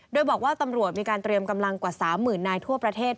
โดยบอกว่าตำรวจมีการเตรียมกำลังกว่า๓๐๐๐นายทั่วประเทศ